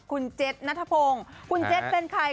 คุณเจ็ดณทะพงคุณเจ็ดเป็นใคร